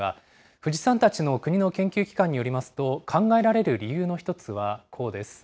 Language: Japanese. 冨士さんたちの国の研究機関によりますと、考えられる理由の１つはこうです。